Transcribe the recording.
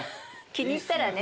気に入ったらね。